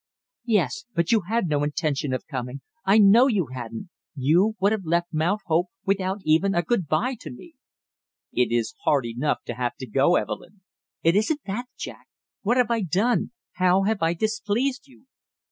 "Yes, but you had no intention of coming, I know you hadn't! You would have left Mount Hope without even a good by to me!" "It is hard enough to have to go, Evelyn!" "It isn't that, Jack. What have I done? How have I displeased you?"